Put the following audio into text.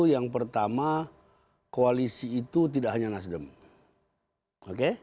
yang pertama koalisi itu tidak hanya nasdem